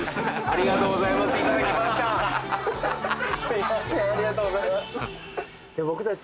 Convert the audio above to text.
ありがとうございます僕たち